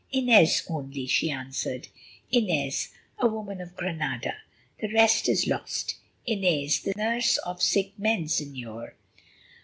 "Inez only," she answered, "Inez, a woman of Granada, the rest is lost. Inez, the nurse of sick men, Señor."